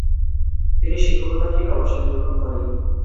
তিনি শিক্ষকতা থেকে অবসর গ্রহণ করেন।